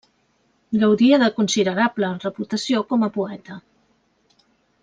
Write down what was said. Gaudia de considerable reputació com a poeta.